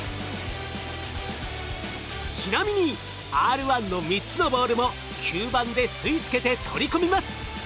ちなみにＲ１の３つのボールも吸盤で吸い付けて取り込みます。